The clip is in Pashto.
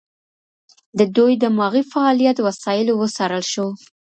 د دوی دماغي فعالیت وسایلو وڅارل شو.